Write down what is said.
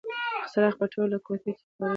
څراغ په ټوله کوټه کې خپره شوه.